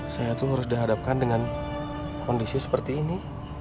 saya itu harus dihadapkan dengan kondisi seperti ini